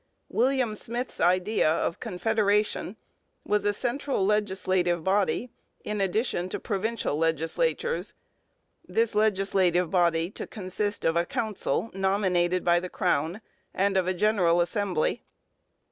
William Smith's idea of confederation was a central legislative body, in addition to the provincial legislatures, this legislative body to consist of a council nominated by the crown and of a general assembly.